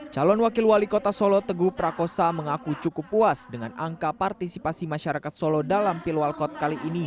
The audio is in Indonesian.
calon wakil wali kota solo teguh prakosa mengaku cukup puas dengan angka partisipasi masyarakat solo dalam pilwalkot kali ini